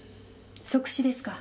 即死ですか？